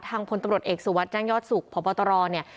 ทางพลตำรวจเอกสู่วัดย่างยอดสุขพปตรเนี่ย